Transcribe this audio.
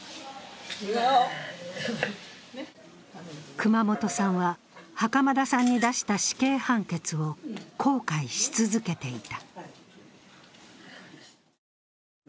熊本さんは袴田さんに出した死刑判決を後悔し続けていた。